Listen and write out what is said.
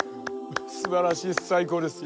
すばらしい最高です。